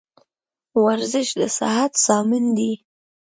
ورزش دصحت ضامن دي.